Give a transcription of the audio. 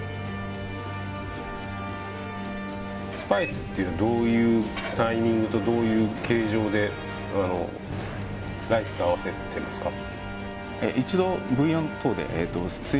スパイスってどういうタイミングとどういう形状でライスと合わせてますか？